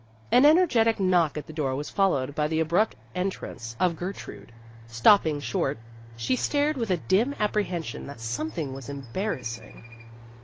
An energetic knock at the door was fol lowed by the abrupt entrance of Gertrude. Stopping short, she stared with a dim ap prehension that something was embarrass ing.